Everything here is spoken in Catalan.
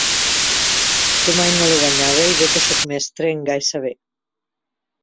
Jo mai no l'he guanyada i bé que sóc mestre en gai saber.